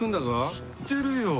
知ってるよ。